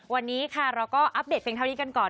วันนี้ค่ะเราก็อัปเดตเพียงเท่านี้กันก่อน